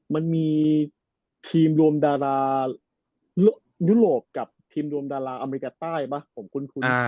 มันมีทีมรวมดารายุโรปกับทีมรวมดาราอเมริกาใต้ป่ะผมคุ้น